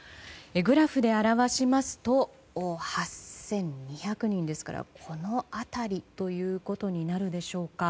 グラフで表しますと８２００人ですからこの辺りということになるでしょうか。